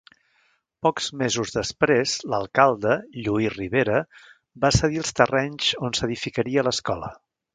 Pocs mesos després, l'alcalde, Lluís Ribera, va cedir els terrenys on s'edificaria l'escola.